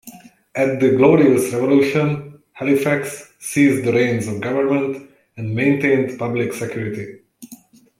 At the Glorious Revolution Halifax seized the reins of government and maintained public security.